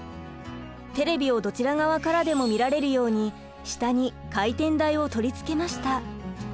テレビをどちら側からでも見られるように下に回転台を取り付けました。